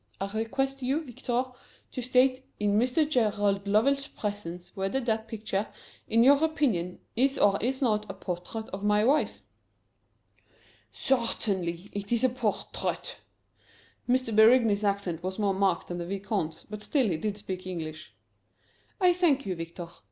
I request you, Victor, to state, in Mr. Gerald Lovell's presence, whether that picture, in your opinion, is or is not a portrait of my wife." "Certainly, it is a portrait." M. Berigny's accent was more marked than the Vicomte's, but still he did speak English. "I thank you, Victor.